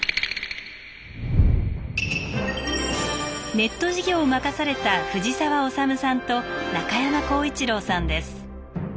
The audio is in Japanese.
ネット事業を任された藤沢修さんと中山香一郎さんです。